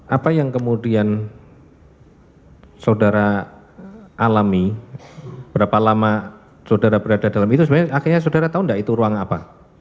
apa yang kemudian saudara alami berapa lama saudara berada dalam itu sebenarnya akhirnya saudara tahu enggak itu ruang apa